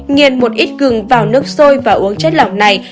nghiên một ít gừng vào nước sôi và uống chất lọng này